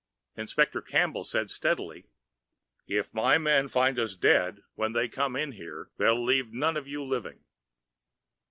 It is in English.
Inspector Campbell said steadily, "If my men find us dead when they come in here, they'll leave none of you living."